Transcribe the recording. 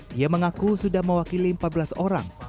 dia mengaku sudah mewakili empat belas orang